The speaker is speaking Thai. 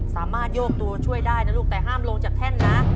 สามารถโยกตัวช่วยได้นะลูกแต่ห้ามลงจากแท่นนะ